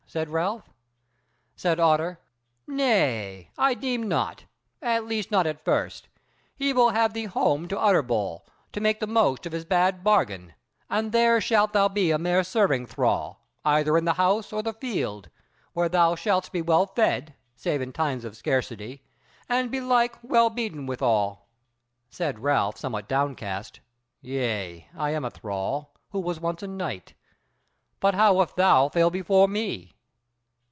said Ralph. Said Otter: "Nay I deem not, at least not at first: he will have thee home to Utterbol, to make the most of his bad bargain, and there shalt thou be a mere serving thrall, either in the house or the field: where thou shalt be well fed (save in times of scarcity), and belike well beaten withal." Said Ralph, somewhat downcast: "Yea, I am a thrall, who was once a knight. But how if thou fail before me?"